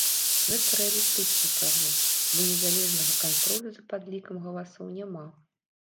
Гэта рэалістычны прагноз, бо незалежнага кантролю за падлікам галасоў няма.